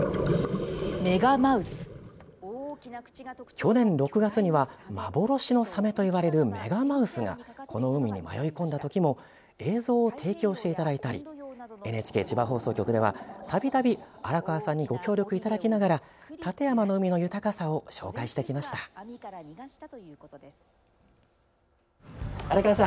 去年６月には幻のサメといわれるメガマウスがこの海に迷い込んだときも映像を提供していただいたりＮＨＫ千葉放送局ではたびたび荒川さんにご協力いただきながら館山の海の豊かさを紹介してきました。